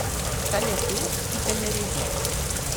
Calla tu i callaré jo.